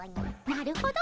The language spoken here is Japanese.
なるほど。